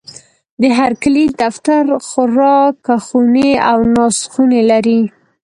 د هرکلي دفتر، خوراکخونې او ناستخونې لري.